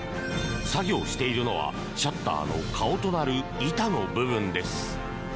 作業しているのはシャッターの顔となる板の部分です。